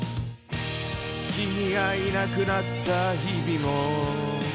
君がいなくなった日々も